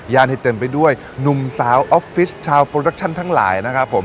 ย่านที่เต็มไปด้วยหนุ่มสาวชาวทั้งหลายนะครับผม